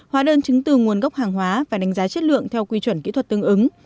hóa đơn chứng từ nguồn gốc hàng hóa và đánh giá chất lượng theo quy chuẩn kỹ thuật tương ứng